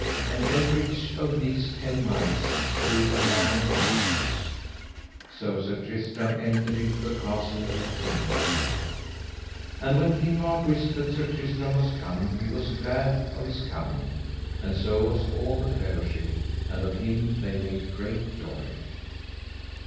And everych of these ten knights slew a man of arms. So Sir Tristram entered into the Castle of Tintagil. And when King Mark wist that Sir Tristram was come he was glad of his coming, and so was all the fellowship, and of him they made great joy.